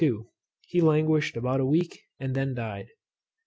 He languished about a week, and then died.